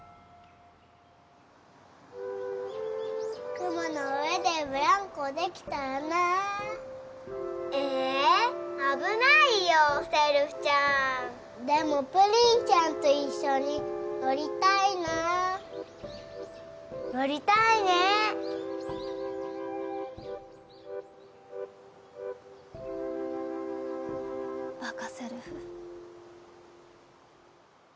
雲の上でブランコできたらなぁええ危ないよせるふちゃんでもぷりんちゃんと一緒に乗りたいな乗りたいねバカせるふ。